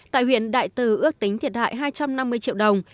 tại huyện đại từ ước tính thiệt hại hai trăm năm mươi triệu đồng